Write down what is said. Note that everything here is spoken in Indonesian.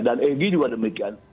dan egy juga demikian